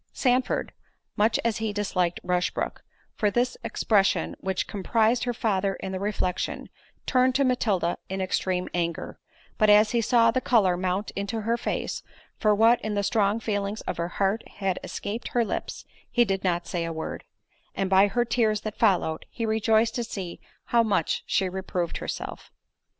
Sandford, (much as he disliked Rushbrook) for this expression which comprised her father in the reflection, turned to Matilda in extreme anger—but as he saw the colour mount into her face, for what, in the strong feelings of her heart had escaped her lips, he did not say a word—and by her tears that followed, he rejoiced to see how much she reproved herself.